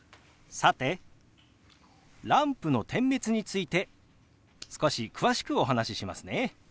さてランプの点滅について少し詳しくお話ししますね。